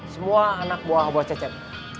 semua anak buah buah cecep